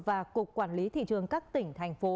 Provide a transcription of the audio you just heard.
và cục quản lý thị trường các tỉnh thành phố